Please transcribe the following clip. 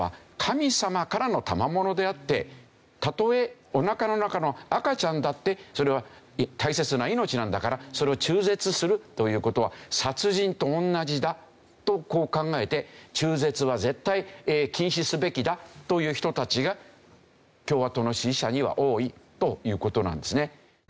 たとえおなかの中の赤ちゃんだってそれは大切な命なんだからそれを中絶するという事は殺人と同じだとこう考えて中絶は絶対禁止すべきだという人たちが共和党の支持者には多いという事なんですね。